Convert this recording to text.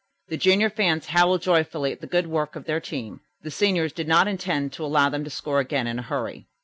The junior fans howled joyfully at the good work of their team. The seniors did not intend to allow them to score again in a hurry.